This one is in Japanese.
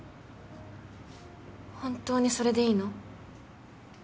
本当にそれでいいの？